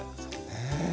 ねえ。